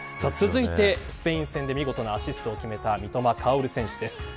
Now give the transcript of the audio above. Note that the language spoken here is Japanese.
スペイン戦で見事なアシストを決めた三笘薫選手です。